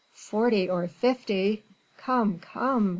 "Forty or fifty? Come! come!"